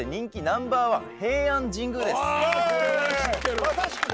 まさしくね。